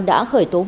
đã khởi tố vụ việc